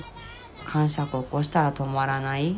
かんしゃく起こしたら止まらない。